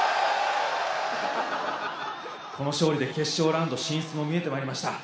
この勝利で決勝ラウンド進出も見えてまいりました。